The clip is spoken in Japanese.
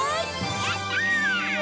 やったよ！